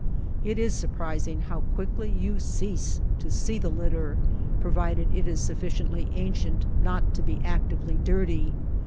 It is surprising how quickly you cease to see the litter, provided it is sufficiently ancient not to be actively dirty.